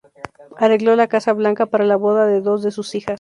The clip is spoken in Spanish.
Arregló la Casa Blanca para la boda de dos de sus hijas.